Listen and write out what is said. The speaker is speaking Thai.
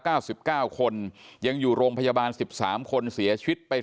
เก้าสิบเก้าคนยังอยู่โรงพยาบาลสิบสามคนเสียชีวิตไป